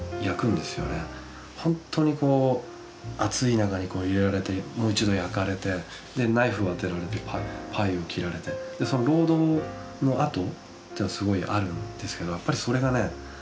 本当にこう熱い中に入れられてもう一度焼かれてナイフをあてられてパイを切られてその労働のあとってすごいあるんですけどやっぱりそれがね